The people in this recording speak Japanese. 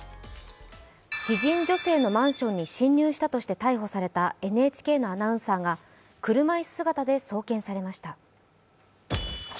知人女性のマンションに侵入したとして逮捕されたＮＨＫのアナウンサーが車椅子姿で送検されました。